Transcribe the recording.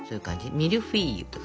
ミルフィーユとか。